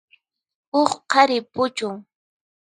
Huk qhari puchun.